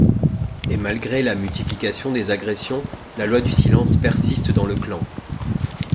Et malgré la multiplication des agressions, la loi du silence persiste dans le clan.